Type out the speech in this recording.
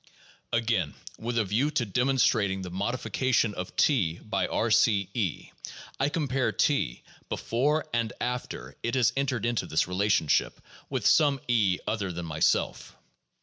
Again, with a view to demonstrating the modification of T by R C (E), I compare T before and after it has entered into this rela tionship with some E other than myself.